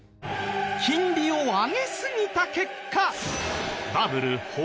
金利を上げすぎた結果。